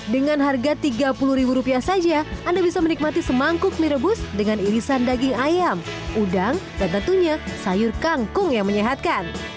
dengan harga tiga puluh saja anda bisa menikmati semangkuk mie rebus dengan irisan daging ayam udang dan tentunya sayur kangkung yang menyehatkan